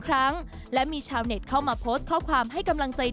ครั้งและมีชาวเน็ตเข้ามาโพสต์ข้อความให้กำลังใจ